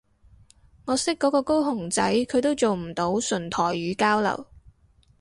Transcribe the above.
我識嗰個高雄仔佢都做唔到純台語交流